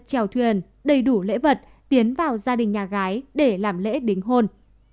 trèo thuyền đầy đủ lễ vật tiến vào gia đình nhà gái để làm lễ đính hôn